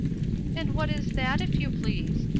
" And what is that, if you please